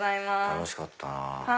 楽しかったなぁ。